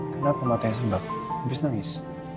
kenapa matanya sembak habis nangis